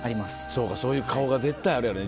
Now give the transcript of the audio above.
そうかそういう顔が絶対あるよね